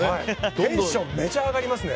テンションめちゃ上がりますね。